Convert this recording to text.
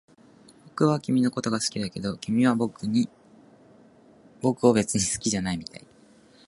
僕は君のことが好きだけど、君は僕を別に好きじゃないみたい